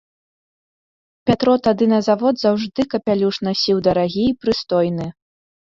Пятро тады на завод заўжды капялюш насіў дарагі і прыстойны.